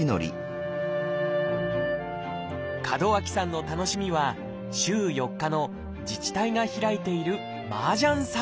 門脇さんの楽しみは週４日の自治体が開いている麻雀サロン。